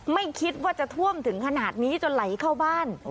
ไม่คิดว่าจะท่วมถึงขนาดนี้จนไหลเข้าบ้าน